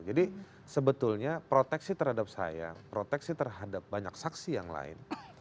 jadi sebetulnya proteksi terhadap saya proteksi terhadap banyak saksi yang lain